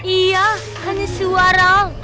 iya hanya suara